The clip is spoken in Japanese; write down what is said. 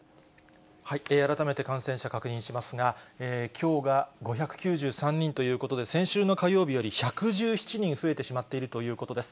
改めて感染者確認しますが、きょうが５９３人ということで、先週の火曜日より１１７人増えてしまっているということです。